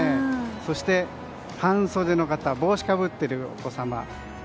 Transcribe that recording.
そして、半袖の方帽子をかぶっているお子様。